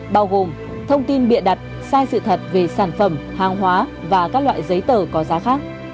bao gồm thông tin bịa đặt sai sự thật về sản phẩm hàng hóa và các loại giấy tờ có giá khác